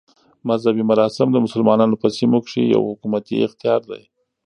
مذهبي مراسم د مسلمانانو په سیمو کښي یو حکومتي اختیار دئ.